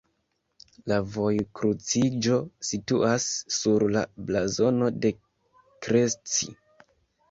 La vojkruciĝo situas sur la blazono de Krestci.